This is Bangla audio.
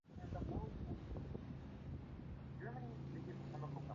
সরকারের মধ্যে ঘাপটি মেরে থাকা জামায়াত-শিবির চক্র মঞ্চের কার্যক্রমকে বাধাগ্রস্ত করছে।